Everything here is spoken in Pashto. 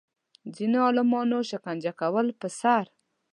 ځینو عالمانو شکنجه کولو پر سر